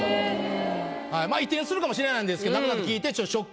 移転するかもしれないんですけどなくなるって聞いて。